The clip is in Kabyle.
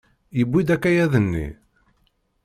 Yewwi-d akayad-nni?